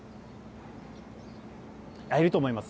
いると思います。